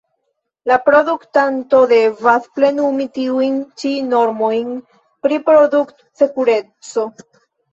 La produktanto devas plenumi tiujn ĉi normojn pri produkt-sekureco.